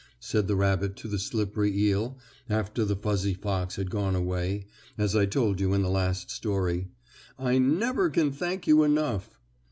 said the rabbit to the slippery eel, after the fuzzy fox had gone away, as I told you in the last story. "I never can thank you enough."